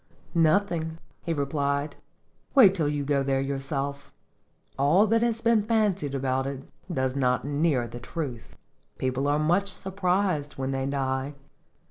"Nothing," he replied. "Wait till you go there yourself. All that has been fancied about it does not near the truth. People are much surprised when they die."